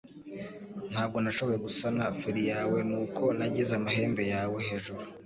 Ntabwo nashoboye gusana feri yawe, nuko nagize amahembe yawe hejuru.